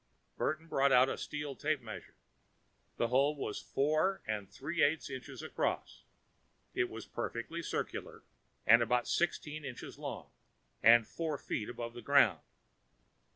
Burton brought out a steel tape measure. The hole was four and three eighths inches across. It was perfectly circular and about sixteen inches long. And four feet above the ground.